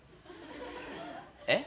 えっ？